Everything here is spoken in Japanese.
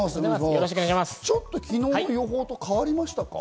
ちょっと昨日の予報と変わりましたか？